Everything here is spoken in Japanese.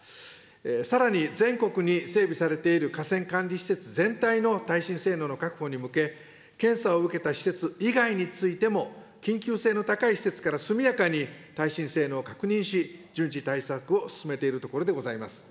さらに全国に整備されている河川管理施設全体の耐震性能の確保に向け、検査を受けた施設以外についても、緊急性の高い施設から、速やかに耐震性能を確認し、順次対策を進めているところでございます。